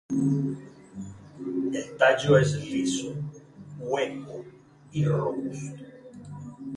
El tallo es liso, hueco y robusto.